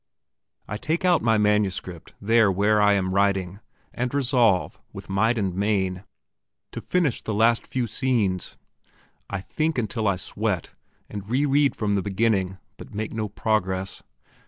I take out my MSS. there where I am sitting, and resolve, with might and main, to finish the last few scenes. I think until I sweat, and re read from the beginning, but make no progress.